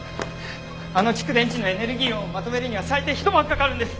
あの蓄電池のエネルギー論をまとめるには最低ひと晩かかるんです。